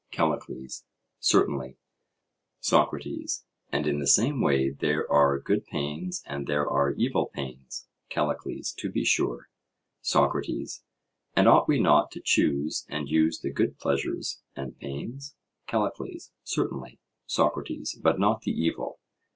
CALLICLES: Certainly. SOCRATES: And in the same way there are good pains and there are evil pains? CALLICLES: To be sure. SOCRATES: And ought we not to choose and use the good pleasures and pains? CALLICLES: Certainly. SOCRATES: But not the evil?